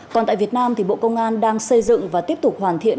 còn tại việt nam thì bộ công an đang xây dựng và tiếp tục hoàn thiện